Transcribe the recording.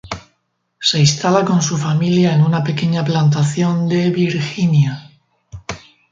Se instala con su familia en una pequeña plantación de Virginia.